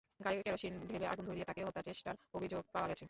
গায়ে কেরোসিন ঢেলে আগুন ধরিয়ে তাঁকে হত্যার চেষ্টার অভিযোগ পাওয়া গেছে।